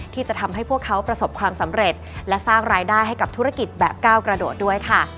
ที่จะทำให้พวกเขาประสบความสำเร็จและสร้างรายได้ให้กับธุรกิจแบบก้าวกระโดดด้วยค่ะ